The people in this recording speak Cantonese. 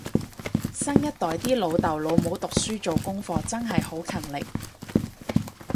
新一代啲老豆老母讀書做功課真係好勤力